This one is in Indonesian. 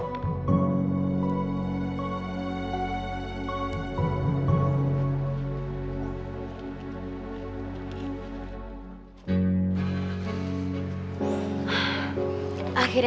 gue gak akan berhenti